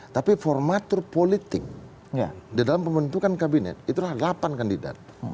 tapi formatur politik di dalam pembentukan kabinet itulah delapan kandidat